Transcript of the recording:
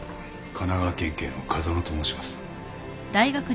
神奈川県警の風間と申します。